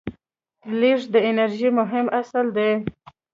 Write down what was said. لیږد د انرژۍ مهم اصل دی.